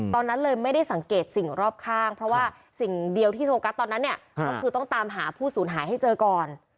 ตอนนั้นเลยไม่ได้สังเกตสิ่งรอบข้างเพราะว่าสิ่งเดียวที่โฟกัสตอนนั้นเนี่ยก็คือต้องตามหาผู้สูญหายให้เจอก่อน